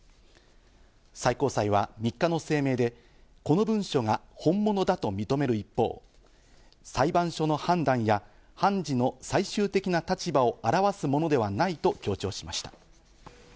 最高裁は３日の声明で、この文書が本物だと認める一方、裁判所の判断や、判事の最終的な立場を表すものではないと強調しました。